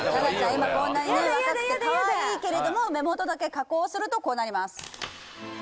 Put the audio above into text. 今こんなにねヤダヤダヤダ若くてかわいいけれども目元だけ加工するとこうなります